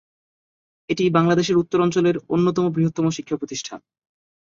এটি বাংলাদেশের উত্তর অঞ্চলের অন্যতম বৃহত্তম শিক্ষা প্রতিষ্ঠান।